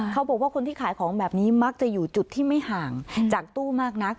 เขาบอกว่าคนที่ขายของแบบนี้มักจะอยู่จุดที่ไม่ห่างจากตู้มากนัก